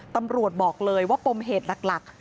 ตำรวจบอกเลยว่าปมเหตุหลัก